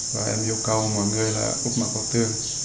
và em yêu cầu mọi người là úp mặt vào tường